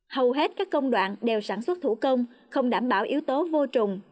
hầu hết các công đoạn đều sản xuất thủ công không đảm bảo yếu tố vô trùng